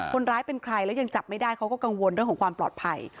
คนร้ายเป็นใครแล้วยังจับไม่ได้เขาก็กังวลเรื่องของความปลอดภัย